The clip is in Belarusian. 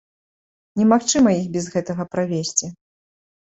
Немагчыма іх без гэтага правесці.